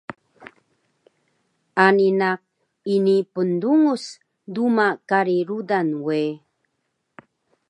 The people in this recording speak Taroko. Ani naq ini pndungus duma kari rudan we